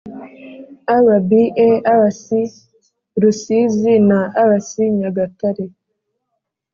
Rba rc rusizi na rc nyagatare